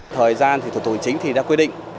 thời gian thì tổ tục chính đã quyết định